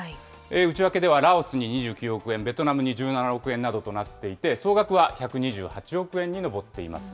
内訳ではラオスに２９億円、ベトナムに１７億円などとなっていて、総額は１２８億円に上っています。